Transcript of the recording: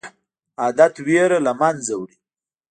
عادت ویره له منځه وړي.